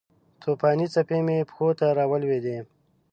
توپانې څپې مې پښو ته راولویدې